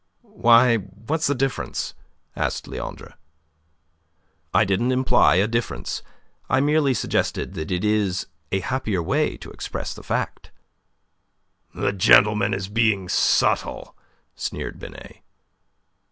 "Why, what's the difference?" asked Leandre. "I didn't imply a difference. I merely suggested that it is a happier way to express the fact." "The gentleman is being subtle," sneered Binet.